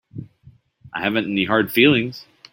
I haven't any hard feelings.